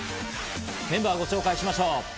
メンバーをご紹介しましょう。